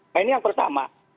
nah ini yang pertama